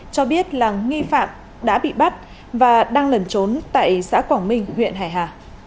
cho biết là nghi phạm đã bị bắt và đang lẩn trốn tại xã quảng minh huyện hải hà